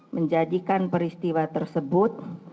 menjadikan peristiwa tersebut